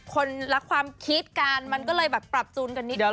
คนละความคิดกันมันก็เลยแบบปรับจูนกันนิดนึง